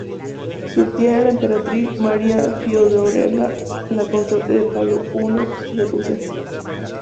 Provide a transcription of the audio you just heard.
Su tía era la emperatriz María Fiódorovna, la consorte de Pablo I de Rusia.